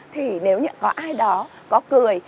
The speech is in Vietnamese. thì nếu như có ai đó có cười